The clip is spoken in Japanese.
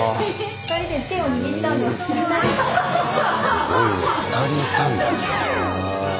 すごいね２人いたんだね。